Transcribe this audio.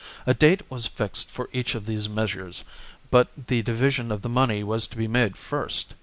A date was fixed for each of these measures, but the division of the money was to be made first.